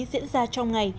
diễn ra trong ngày